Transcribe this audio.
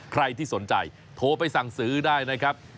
ใครที่สนใจโทรไปสั่งซื้อได้นะครับ